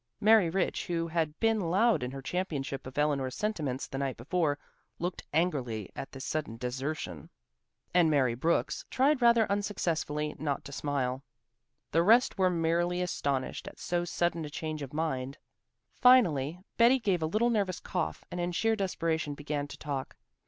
Mary Rich, who had been loud in her championship of Eleanor's sentiments the night before, looked angry at this sudden desertion; and Mary Brooks tried rather unsuccessfully not to smile. The rest were merely astonished at so sudden a change of mind. Finally Betty gave a little nervous cough and in sheer desperation began to talk.